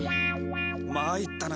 まいったな。